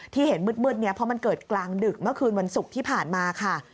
เห็นมืดเนี่ยเพราะมันเกิดกลางดึกเมื่อคืนวันศุกร์ที่ผ่านมาค่ะ